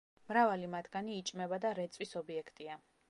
მრავალი მათგანი იჭმება და რეწვის ობიექტია.